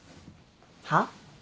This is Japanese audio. はっ？